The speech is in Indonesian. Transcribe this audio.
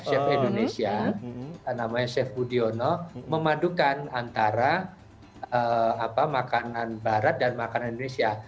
chef indonesia namanya chef budiono memadukan antara makanan barat dan makanan indonesia